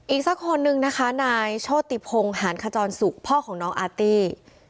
อีกสักคนนึงนะคะนายโชติพงศ์หานขจรสุขพ่อของน้องอาร์ตี้